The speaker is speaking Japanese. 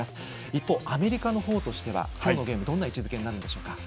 一方、アメリカの方としては今日のゲーム、どんな位置づけになるんでしょうか？